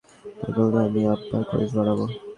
পাগল না আমি, আব্বার খরচ বাড়াবো।